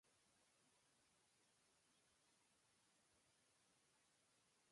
でも、誰が片付けたとしても、それは正しいことだった。間違っていない。